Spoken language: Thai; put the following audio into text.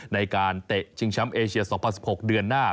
ในการเตะชิงแชมป์เอเชีย๒๐๑๖เดือนหน้า